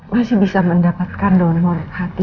masih bisa mendapatkan donor hati